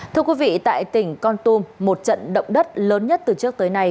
thưa quý vị tại tỉnh con tum một trận động đất lớn nhất từ trước tới nay